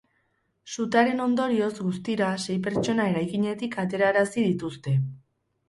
Sutearen ondorioz, guztira, sei pertsona eraikinetik aterarazi dituzte.